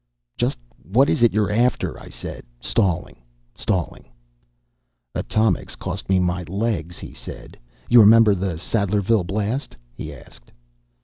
"Just what is it you're after?" I said, stalling, stalling. "Atomics cost me my legs," he said. "You remember the Sadlerville Blast?" he asked.